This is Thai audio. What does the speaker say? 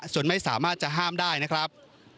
จนไม่สามารถห้ามได้นะครับ